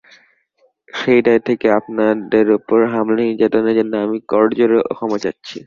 সেই দায় থেকে আপনাদের ওপর হামলা-নির্যাতনের জন্য আমি করজোড়ে ক্ষমা চাচ্ছি।